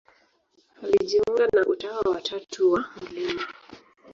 Alijiunga na Utawa wa Tatu wa Mt.